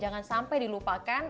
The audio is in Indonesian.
jangan sampai dilupakan